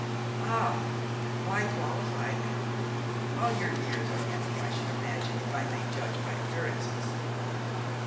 "Ah! Why qualify them? All your years are happy, I should imagine, if I may judge by appearances."